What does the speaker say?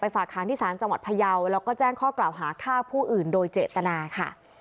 ฝากค้างที่ศาลจังหวัดพยาวแล้วก็แจ้งข้อกล่าวหาฆ่าผู้อื่นโดยเจตนาค่ะ